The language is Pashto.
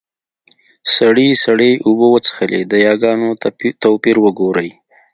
سړي سړې اوبۀ وڅښلې . د ياګانو توپير وګورئ!